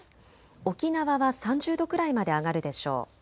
沖縄は３０度くらいまで上がるでしょう。